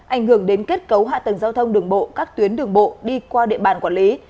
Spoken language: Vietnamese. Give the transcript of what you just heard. ảnh hưởng đến kết cấu hạ tầng giao thông đường bộ các tuyến đường bộ đi qua địa bàn quản lý